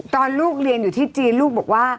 ตอนลูกเรียนอยู่ที่จีนลูกบอกว่า